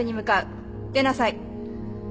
出なさい。